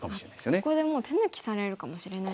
ここでもう手抜きされるかもしれないんですね。